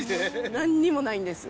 なんにもないんです。